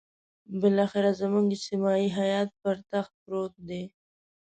بالاخره زموږ اجتماعي حيات پر تخت پروت دی.